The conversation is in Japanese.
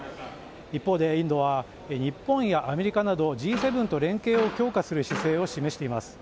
一方でインドは日本やアメリカなどＧ７と連携を強化する姿勢を示しています。